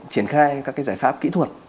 triển khai các giải pháp kỹ thuật